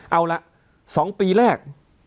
เอาละ๒ปีแรก